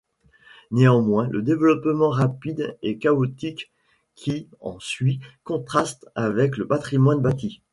Néanmoins, le développement rapide et chaotique qui en suit contraste avec le patrimoine bâti.